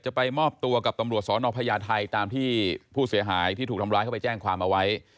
ไปมอบตัวกับตำรวจสนพญาไทยตามที่ผู้เสียหายที่ถูกทำร้ายเข้าไปแจ้งความเอาไว้